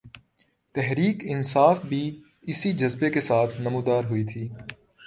تحریک انصاف بھی اسی جذبے کے ساتھ نمودار ہوئی تھی۔